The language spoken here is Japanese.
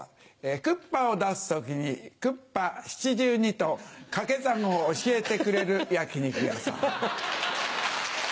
クッパを出す時に９×８＝７２と掛け算を教えてくれる焼き肉屋さん。